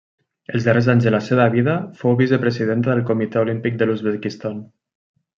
Els darrers anys de la seva vida fou vicepresidenta del Comitè Olímpic de l'Uzbekistan.